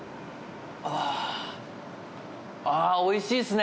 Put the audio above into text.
あぁあおいしいっすね。